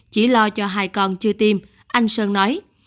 chỉ lo cho hai con chưa tiêm anh sơn nói